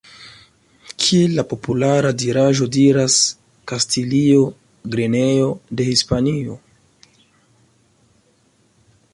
Kiel la populara diraĵo diras: "Kastilio, grenejo de Hispanio".